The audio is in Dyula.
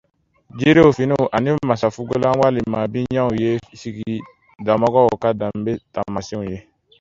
Jiriw, finiw ani masafugulan walima biɲɛw ye sigidamɔgɔw ka danbe taamasyɛnw ye.